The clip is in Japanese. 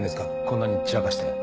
こんなに散らかして。